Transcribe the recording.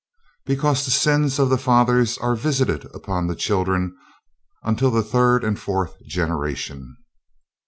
"Because the sins of the fathers are visited upon the children unto the third and fourth generation."